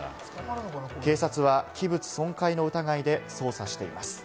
警察は器物損壊の疑いで捜査しています。